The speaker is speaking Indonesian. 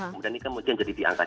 kemudian ini kemudian jadi diangkat